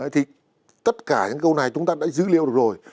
thì tất cả những câu này chúng ta đã dữ liệu được rồi